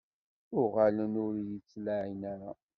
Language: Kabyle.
Uɣalen ur iyi-ttlaɛin ara.